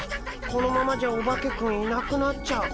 このままじゃオバケくんいなくなっちゃう。